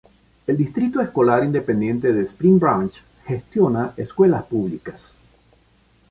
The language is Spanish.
El Distrito Escolar Independiente de Spring Branch gestiona escuelas públicas.